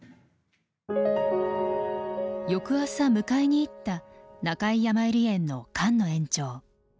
翌朝に迎えに行った中井やまゆり園の菅野園長。